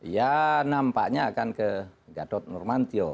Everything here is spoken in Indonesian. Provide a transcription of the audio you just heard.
ya nampaknya akan ke gatot nurmantio